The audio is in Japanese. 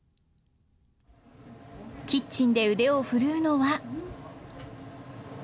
キッチンで腕を振るうのは。